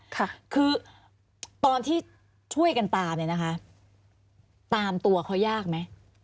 ค่ะคือตอนที่ช่วยกันตามเนี่ยนะคะตามตัวเขายากไหม